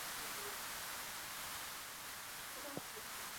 Pliny the Elder reveals that there were several divisions of the Bessi.